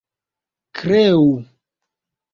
kreu